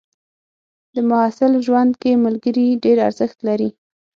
د محصل ژوند کې ملګري ډېر ارزښت لري.